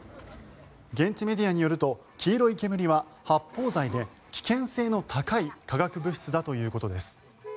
現地メディアによると黄色い煙は発泡剤で危険性の高い化学物質だということです。